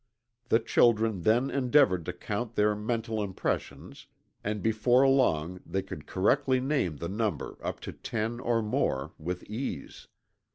The children then endeavored to count their mental impressions, and before long they could correctly name the number up to ten or more, with ease.